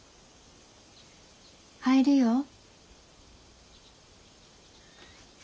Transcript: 入るよ？